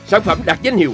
sản phẩm đạt danh hiệu